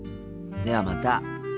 ではまた。